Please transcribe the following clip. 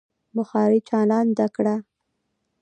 بخارۍ چالانده کړه.